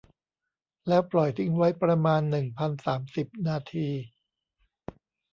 แล้วปล่อยทิ้งไว้ประมาณ หนึ่งพันสามสิบ นาที